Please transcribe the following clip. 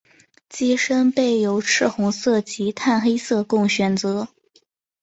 机身备有赤红色及碳黑色供选择。